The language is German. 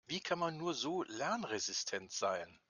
Wie kann man nur so lernresistent sein?